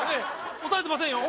押さえてませんよ。